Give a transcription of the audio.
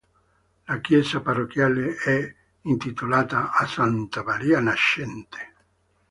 La chiesa parrocchiale è intitolata a Santa Maria Nascente.